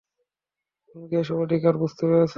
তুমি কি এসব অধিকার বুঝতে পেরেছ?